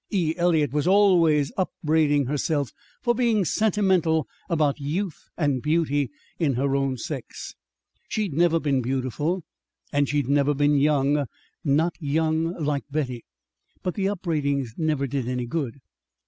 E. Eliot was always upbraiding herself for being sentimental about youth and beauty in her own sex. She'd never been beautiful, and she'd never been young not young like Betty. But the upbraidings never did any good.